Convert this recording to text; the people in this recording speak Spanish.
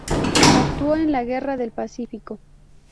Actuó en la Guerra del Pacífico.